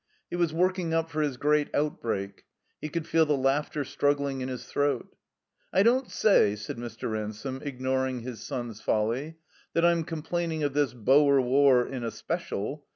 He was working up for his great outbreak. He could fed the laugh ter struggling in his throat. "I don't say," said Mr. Ransome, ignoring his son's folly, "that I'm complaining of this Boer War in especial.